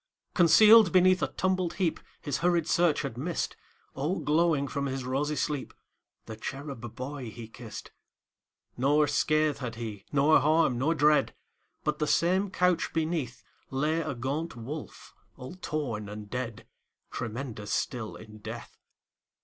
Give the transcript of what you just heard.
Concealed beneath a tumbled heapHis hurried search had missed, All glowing from his rosy sleep, The cherub boy he kissed. Nor scath had he, nor harm, nor dread, But, the same couch beneath, Lay a gaunt wolf, all torn and dead, Tremendous still in death.